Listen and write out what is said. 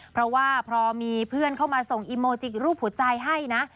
เพราะว่าพอมีเพื่อนเข้ามาส่งอีโมจิกรูปหัวใจให้นะ